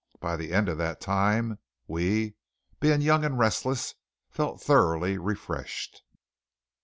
By the end of that time we, being young and restless, felt thoroughly refreshed.